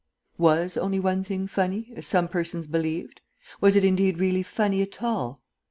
Was only one thing funny, as some persons believed? Was it indeed really funny at all?